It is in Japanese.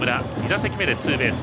２打席目でツーベース。